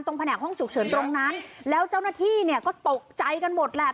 แผนกห้องฉุกเฉินตรงนั้นแล้วเจ้าหน้าที่เนี่ยก็ตกใจกันหมดแหละ